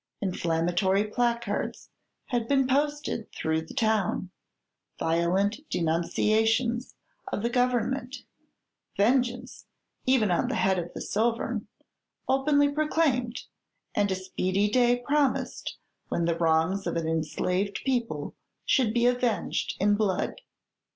Inflammatory placards had been posted through the town violent denunciations of the Government vengeance, even on the head of the sovereign, openly proclaimed, and a speedy day promised when the wrongs of an enslaved people should be avenged in blood.